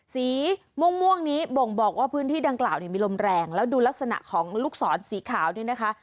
สีม่วงนี้บ่งบอกว่าพื้นที่ดังกล่าวเนี่ยมีลมแรงแล้วดูลักษณะของลูกศรสีขาวนี่นะคะ